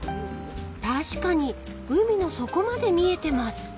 ［確かに海の底まで見えてます］